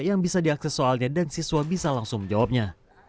yang bisa diakses soalnya dan siswa bisa langsung menjawabnya